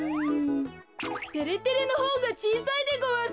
てれてれのほうがちいさいでごわす。